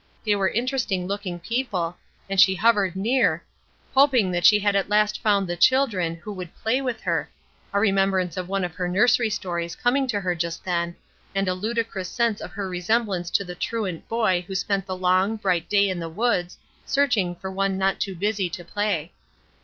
They were interesting looking people, and she hovered near, hoping that she had at last found the "children" who would "play" with her a remembrance of one of her nursery stories coming to her just then, and a ludicrous sense of her resemblance to the truant boy who spent the long, bright day in the woods searching for one not too busy to play.